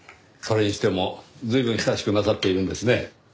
それにしても随分親しくなさっているんですね。